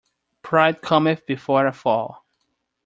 Pride cometh before a fall.